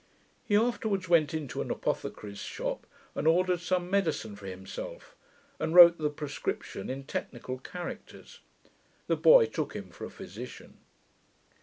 He afterwards went into an apothecary's shop, and ordered some medicine for himself, and wrote the prescription in technical characters. The boy took him for a physician.